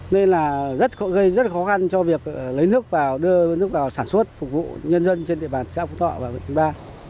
nên là rất gây rất khó khăn cho việc lấy nước vào đưa nước vào sản xuất phục vụ nhân dân trên địa bàn xã phú thọ và huyện phú ba